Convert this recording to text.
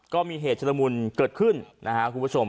ก็มีเหตุชุลมุนเกิดขึ้นนะครับคุณผู้ชม